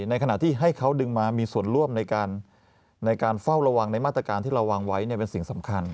ในขณะที่ให้เขาดึงมามีส่วนร่วมในการเฝ้าระวังในมาตรการที่เราวางไว้เป็นสิ่งสำคัญ